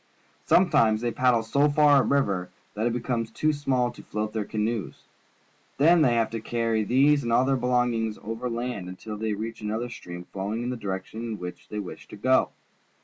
Some times they paddle so far up a river that it liecomes too small to float their canoes. Then they have to carry these and all their belongings over land until they reach another stream flowing in the direction in which they wish to go.